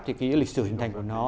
thì lịch sử hình thành của nó